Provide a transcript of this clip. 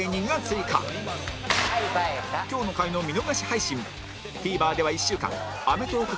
今日の回の見逃し配信も ＴＶｅｒ では１週間アメトーーク